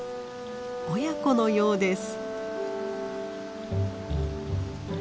親子のようです。